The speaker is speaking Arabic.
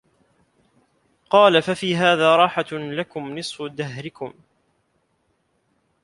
قَالَ فَفِي هَذَا رَاحَةٌ لَكُمْ نِصْفُ دَهْرِكُمْ